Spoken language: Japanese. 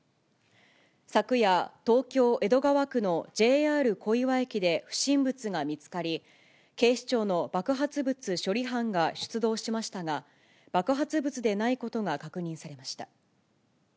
昨夜、東京・江戸川区のＪＲ小岩駅で不審物が見つかり、警視庁の爆発物処理班が出動しましたが、爆発物でないことが確認されました。